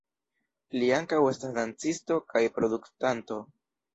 Li ankaŭ estas dancisto kaj produktanto.